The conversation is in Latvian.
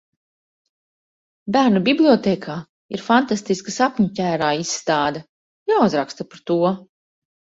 Bērnu bibliotēkā ir fantastiska sapņu ķērāju izstāde! Jāuzraksta par to.